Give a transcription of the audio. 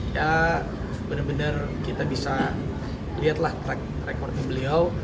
ya bener bener kita bisa liat lah track recordnya beliau